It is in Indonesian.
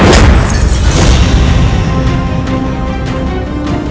ayo cek untuk info baru